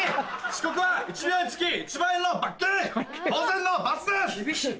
「遅刻は１秒につき１万円の罰金」。